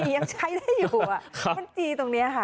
ยังใช้ได้อยู่มันจีตรงนี้ค่ะ